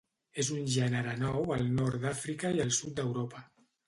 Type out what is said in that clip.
És un gènere nou al nord d'Àfrica i el sud d'Europa.